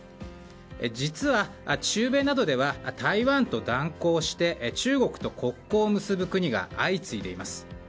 実は、中米などでは台湾と断交して中国と国交を結ぶ国が相次いでいます。